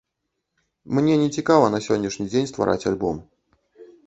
Мне не цікава на сённяшні дзень ствараць альбом.